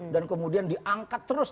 dan kemudian diangkat terus